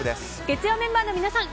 月曜メンバーの皆さん